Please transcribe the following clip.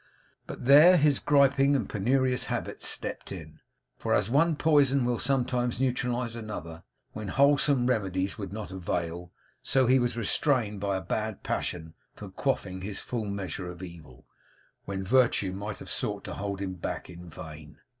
But there his griping and penurious habits stepped in; and as one poison will sometimes neutralise another, when wholesome remedies would not avail, so he was restrained by a bad passion from quaffing his full measure of evil, when virtue might have sought to hold him back in vain.